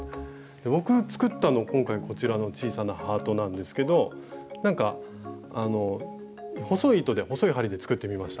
僕作ったの今回こちらの小さなハートなんですけどなんか細い糸で細い針で作ってみました。